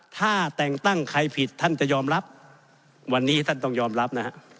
ถ้าแต่งตั้งใครผิดท่านจะยอมรับวันนี้ท่านต้องยอมรับนะฮะ